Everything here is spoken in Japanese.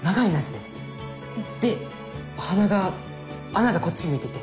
で鼻が穴がこっち向いてて。